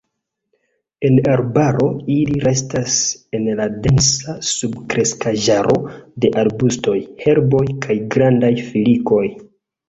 En arbaro, ili restas en la densa subkreskaĵaro de arbustoj, herboj kaj grandaj filikoj.